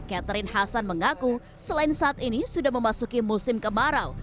catherine hasan mengaku selain saat ini sudah memasuki musim kemarau